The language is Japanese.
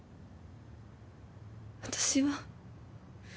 私は？